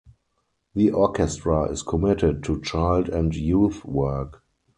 The orchestra is committed to child and youth work.